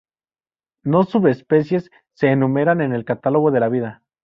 No subespecies se enumeran en el Catálogo de la Vida.